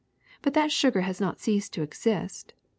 But that sugar has not ceased to exist.